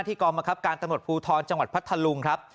ที่กรมกรับการตำนวดพูทรจังหวัดพัทธาลุงครับ